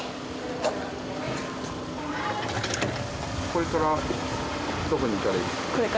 これからどこに行かれる？